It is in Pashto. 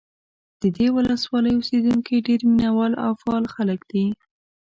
د دې ولسوالۍ اوسېدونکي ډېر مینه وال او فعال خلک دي.